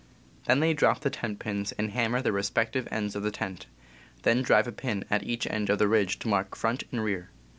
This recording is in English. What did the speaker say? They then drop the tent pins and hammers at their respective ends of the tent; then drive a pin at each end of the ridge to mark front and rear.